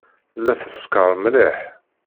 Tella teskeṛ mliḥ.